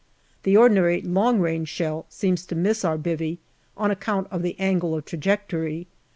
The ordinary long range shell seems to miss our " bivvy " on account of the angle of trajectory.